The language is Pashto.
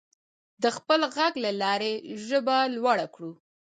د خپل غږ له لارې ژبه لوړه کړو.